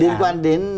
liên quan đến